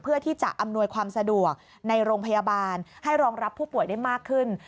ที่จะอำนวยความสะดวกในโรงพยาบาลให้รองรับผู้ป่วยได้มากขึ้น